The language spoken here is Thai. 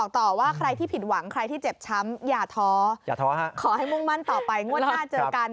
ขอให้มุ่งมั่นต่อไปงวดหน้าเจอกัน